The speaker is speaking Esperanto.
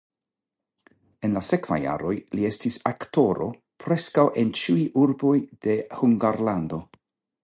En la sekvaj jaroj li estis aktoro preskaŭ en ĉiuj urboj de Hungarlando.